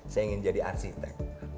saya ingin jadi arsitek